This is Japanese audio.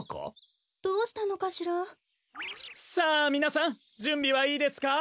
さあみなさんじゅんびはいいですか？